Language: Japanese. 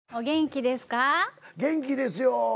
元気ですよ。